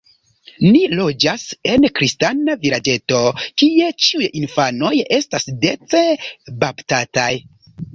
Ni loĝas en kristana vilaĝeto, kie ĉiuj infanoj estas dece baptataj.